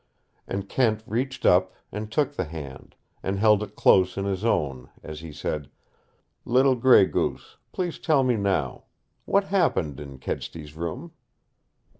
And Kent reached up, and took the hand, and held it close in his own, as he said, "Little Gray Goose, please tell me now what happened in Kedsty's room?"